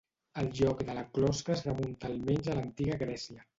El joc de la closca es remunta almenys a l'antiga Grècia.